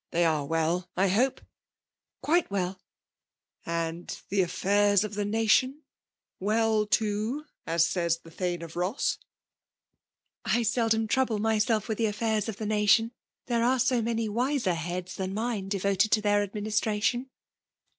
They are all well, I hope ?" FEMALE IDOMIKATION. 179 '' Quite veil" " And the affairs of the nation }^ WeU> too/ as says the Thane of Rosse V I seldom trouble myself with the afiSurs of the nation : there are so many wiser heads than mine devoted to their administration.'